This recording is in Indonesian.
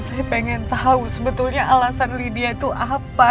saya pengen tahu sebetulnya alasan lydia itu apa